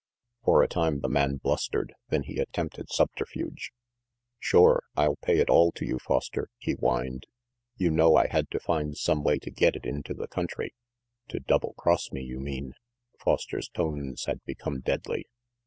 For a time the man blustered; then he attempted subterfuge. "Shore, I'll pay it all to you, Foster," he whined. "You know I had to find some way to get it into the country." "To double cross me, you mean," Foster's tones had become deadly.